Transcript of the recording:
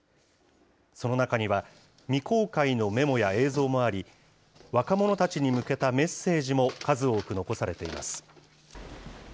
その中には、未公開のメモや映像もあり、若者たちに向けたメッセージも数多く残されています。